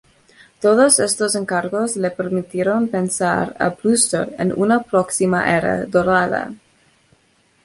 Todos estos encargos le permitieron pensar a Brewster en una próxima era dorada.